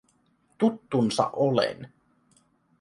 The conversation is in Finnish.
Tuttunsa olen.